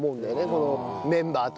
このメンバーと。